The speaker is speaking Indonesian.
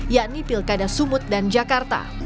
yakni pilkada sumut dan jakarta